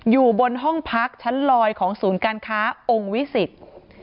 อยู่บนห้องพักชั้นลอยของศูนย์การค้าองค์วิสิต